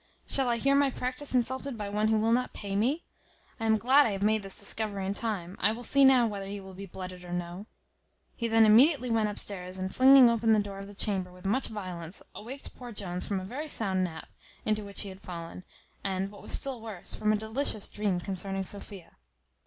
Shall I hear my practice insulted by one who will not pay me? I am glad I have made this discovery in time. I will see now whether he will be blooded or no." He then immediately went upstairs, and flinging open the door of the chamber with much violence, awaked poor Jones from a very sound nap, into which he was fallen, and, what was still worse, from a delicious dream concerning Sophia.